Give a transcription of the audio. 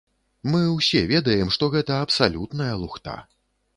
Мы ўсе ведаем, што гэта абсалютная лухта.